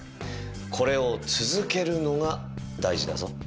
これを続けるのが大事だぞ。